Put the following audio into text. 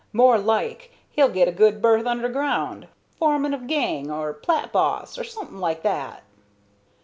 More like he'll get a good berth underground foreman of gang, or plat boss, or summut like that."